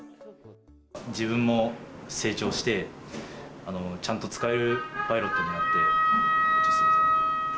自分も成長して、ちゃんと使えるパイロットになって、ちょっとすみません。